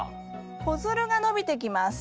子づるが伸びてきます。